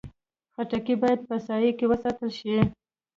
خټکی باید په سایه کې وساتل شي.